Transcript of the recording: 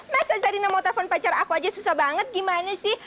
masa zarina mau telfon pacar aku aja susah banget gimana sih